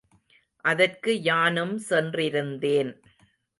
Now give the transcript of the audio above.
அதற்கு யானும் சென்றிருந்தேன்.